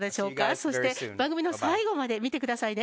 そして番組を最後まで見てくださいね。